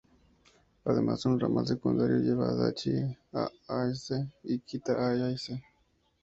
Además, un ramal secundario lleva de Adachi a Ayase y Kita-Ayase.